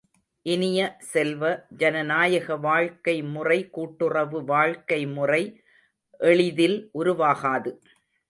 இனிய செல்வ, ஜனநாயக வாழ்க்கைமுறை கூட்டுறவு வாழ்க்கைமுறை எளிதில் உருவாகாது.